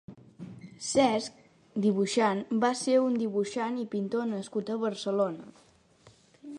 Cesc (dibuixant) va ser un dibuixant i pintor nascut a Barcelona.